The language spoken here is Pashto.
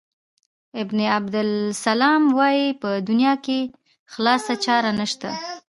ابن عبدالسلام وايي په دنیا کې خالصه چاره نشته.